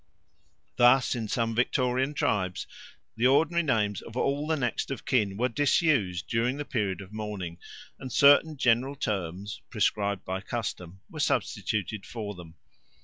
Thus in some Victorian tribes the ordinary names of all the next of kin were disused during the period of mourning, and certain general terms, prescribed by custom, were substituted for them.